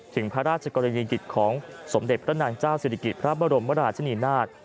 ถึงพระราชกรณียกิจของสมเด็จพระนางเจ้าศิริกิจพระบรมราชนีนาฏ